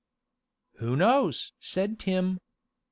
"Who knows?" said Tim.